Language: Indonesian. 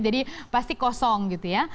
jadi pasti kosong gitu ya